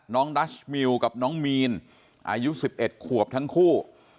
ดัชมิวกับน้องมีนอายุ๑๑ขวบทั้งคู่